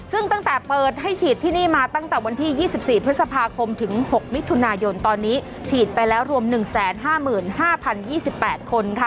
ซึ่งตั้งแต่เปิดให้ฉีดที่นี่มาตั้งแต่วันที่๒๔พฤษภาคมถึง๖มิถุนายนตอนนี้ฉีดไปแล้วรวม๑๕๕๐๒๘คนค่ะ